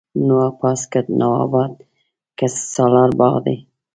نواپاس، که نواباد که سالار باغ دی